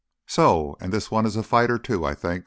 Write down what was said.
"So. And this one is a fighter, too. I think.